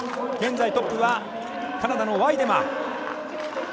現在トップはカナダのワイデマン。